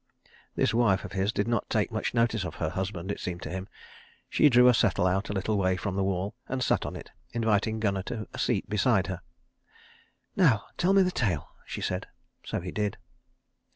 This wife of his did not take much notice of her husband, it seemed to him. She drew a settle out a little way from the wall, and sat on it, inviting Gunnar to a seat beside her. "Now tell me the tale," she said. So he did.